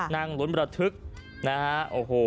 นั่งลุ้นระทึกนะฮะโอ้โห